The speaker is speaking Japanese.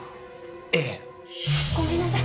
ええ。ごめんなさい。